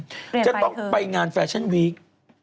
เปลี่ยนไปคือจะต้องไปงานแฟชั่นวีค